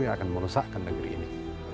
yang akan merusakkan negeri ini